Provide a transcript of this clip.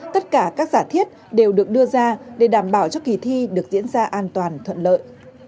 tất cả các giả thiết đều được đưa ra để đảm bảo cho kỳ thi được diễn ra an toàn thuận lợi